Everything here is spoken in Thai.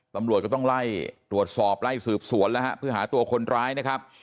ตำรวจก็ต้องไล่ตรวจสอบไล่สืบสวนแล้วฮะเพื่อหาตัวคนร้ายนะครับ